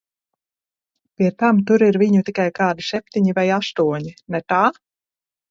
Pie tam, tur ir viņu tikai kādi septiņi vai astoņi, ne tā?